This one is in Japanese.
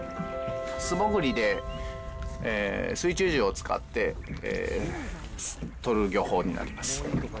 素潜りで、水中銃を使って取る漁法になります。